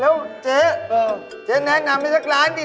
แล้วเจ๊เจ๊แนะนำให้สักร้านดิ